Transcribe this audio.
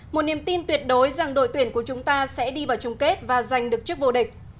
một niềm tin tuyệt đối rằng đội tuyển của chúng ta sẽ đi vào chung kết và giành được chiếc vô địch